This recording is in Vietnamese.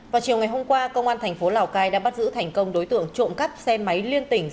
vào chiều ngày hôm qua công an thành phố lào cai đã bắt giữ thành công đối tượng trộm cắp xe máy liên tỉnh